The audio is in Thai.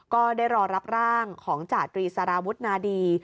ก็ได้รอรับร่างของจาตรีสารวุฒนาดี